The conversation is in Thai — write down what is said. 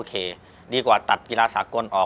ที่ผ่านมาที่มันถูกบอกว่าเป็นกีฬาพื้นบ้านเนี่ย